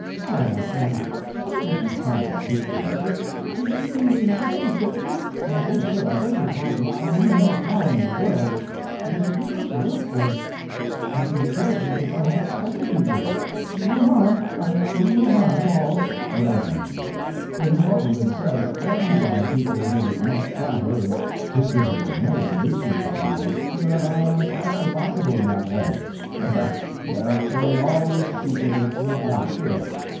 "Why, my friend, they wouldn't have a picture of it in even the latest e My dear sir, I beg your pardon, I mean no harm in the world, but you do not look as as intelligent as I had expected you would. No harm I mean no harm at all." "Oh, don't mention it! It has often been said, and by people who would not flatter and who could have no inducement to flatter, that I am quite remarkable in that way. Yes yes; they always speak of it with rapture."